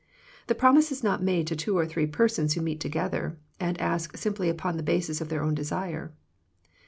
The promise is not made to two or three persons who meet together, and ask simply upon the basis of their own desire.